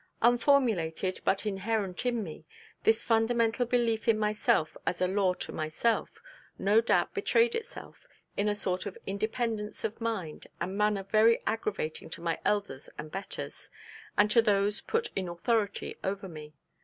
Unformulated, but inherent in me, this fundamental belief in myself as a law to myself, no doubt betrayed itself in a sort of independence of mind and manner very aggravating to my elders and betters, and to those put in authority over me.